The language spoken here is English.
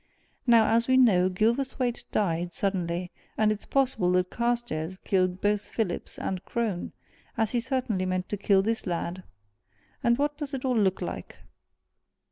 Now, as we know, Gilverthwaite died, suddenly and it's possible that Carstairs killed both Phillips and Crone, as he certainly meant to kill this lad. And what does it all look like?"